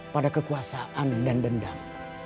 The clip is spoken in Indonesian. pada kekuasaan dan dendam